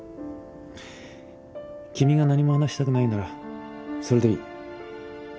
君が何も話したくないならそれでいい。